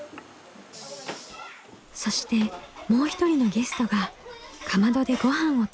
そしてもう一人のゲストがかまどでごはんを炊く男性。